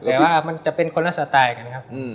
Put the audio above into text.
แต่ว่ามันจะเป็นคนละสไตล์กันนะครับ